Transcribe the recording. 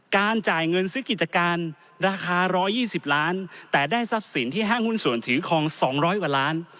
จ่ายเงินซื้อกิจการราคา๑๒๐ล้านแต่ได้ทรัพย์สินที่ห้างหุ้นส่วนถือคลอง๒๐๐กว่าล้าน